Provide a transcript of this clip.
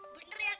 bener ya kak